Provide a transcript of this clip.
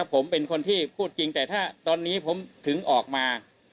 ผมเป็นคนที่พูดจริงแต่ถ้าตอนนี้ผมถึงออกมา